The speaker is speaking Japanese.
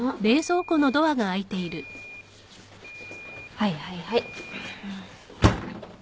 はいはいはい。